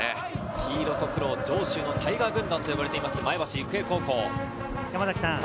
黄色と黒、上州のタイガー軍団と呼ばれています、前橋育英高校。